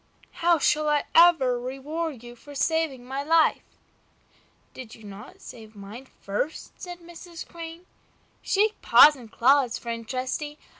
"How shall I ever reward you for saving my life?" "Did you not save mine first?" said Mrs. Crane. "Shake paws and claws, friend Trusty!